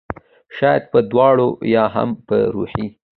شاید په دواړو ؟ یا هم په روحي